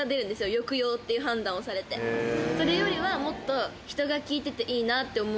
抑揚っていう判断をされてそれよりはもっと人が聞いてて良いなって思う